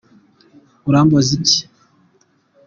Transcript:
Urambaza iki?